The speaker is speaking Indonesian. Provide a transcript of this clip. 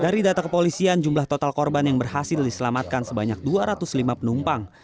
dari data kepolisian jumlah total korban yang berhasil diselamatkan sebanyak dua ratus lima penumpang